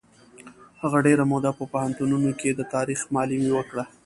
هغه ډېره موده په پوهنتونونو کې د تاریخ معلمي وکړه.